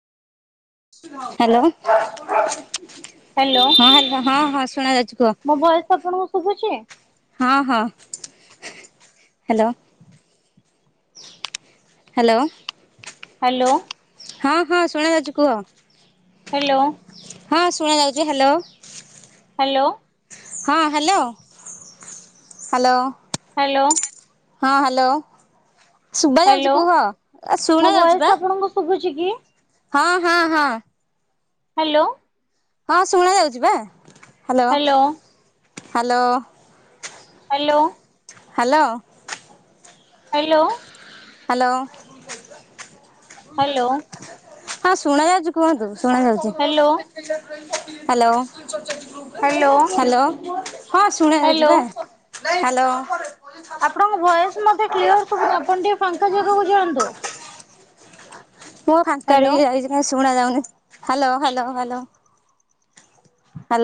Hello. Hello ହଁ ହାଲ ହଁ ହଁ ଶୁଣା ଯାଉଛି କୁହ। ମୋ ଭଏସ ଆପଣଙ୍କୁ ଶୁଭୁଛି? ହଁ ହଁ ହ୍ୟାଲୋ। ହ୍ୟାଲୋ। ହ୍ୟାଲୋ। ହଁ ହଁ ଶୁଣା ଯାଉଛି କୁହ। ହ୍ୟାଲୋ। ହଁ ଶୁଣାଯାଉଛି ହ୍ୟାଲୋ। ହ୍ୟାଲୋ। ହଁ ହ୍ୟାଲୋ ହ୍ୟାଲୋ। ହ୍ୟାଲୋ। ହଁ ହ୍ୟାଲୋ ଶୁବା ଯାଉଛି ହ୍ୟାଲୋ କୁହ ଆ ମୋ ଶୁଣା ଭଏସ ଯାଉଛି ବା। ଆପଣଙ୍କୁ ଶୁଭୁଛି କି? ହଁ ହଁ ହଁ। ହ୍ୟାଲୋ। ହଁ ଶୁଣା ଯାଉଛି ବା। Hello hello hello. Hello. Hello. Hello. Hello. Hello ହଁ ଶୁଣା ଯାଉଛି କୁହନ୍ତୁ ଶୁଣା ଯାଉଛି। Hello hello. ହ୍ୟାଲୋ। ହ୍ୟାଲୋ ହଁ ଶୁଣା ଯାଉଛି ହ୍ୟାଲୋ ବା। ହ୍ୟାଲୋ। ଆପଣଙ୍କ ଭଏସ୍ ମତେ କ୍ଲିୟର ଶୁଭୁନି ଆପଣ ଟିକେ ଫାଙ୍କା ଜାଗାକୁ ଯାଆନ୍ତୁ। ମୁଁ ଫାଙ୍କା ଆଡ଼ିକି ହ୍ୟାଲୋ ଯାଇଛି କଣ ଶୁଣା ଯାଉନି ହ୍ୟାଲୋ ହ୍ୟାଲୋ ହ୍ୟାଲୋ।